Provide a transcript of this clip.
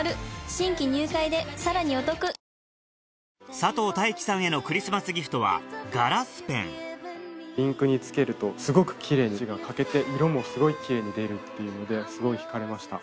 佐藤大樹さんへのクリスマスギフトはインクにつけるとすごくキレイに字が書けて色もすごいキレイに出るっていうのですごい引かれました。